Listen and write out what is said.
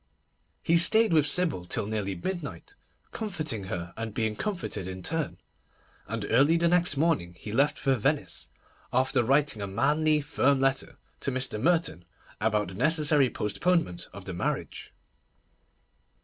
He stayed with Sybil till nearly midnight, comforting her and being comforted in turn, and early the next morning he left for Venice, after writing a manly, firm letter to Mr. Merton about the necessary postponement of the marriage.